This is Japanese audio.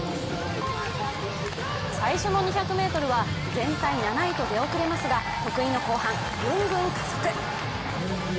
最初の２００ｍは全体７位と出遅れますが得意の後半、グングン加速。